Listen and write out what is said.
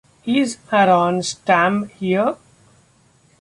Is Aaron Stamm Here?